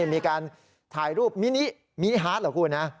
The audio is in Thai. มีการถ่ายรูปมินิมินิฮาร์ดเหรอคุณนะ